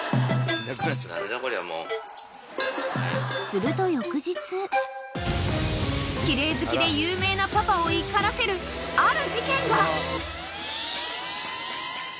［すると翌日奇麗好きで有名なパパを怒らせるある事件が］